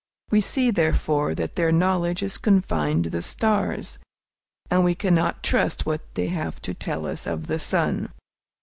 We see, therefore, that their knowledge is confined to the stars, and we cannot trust what they have to tell us of the sun.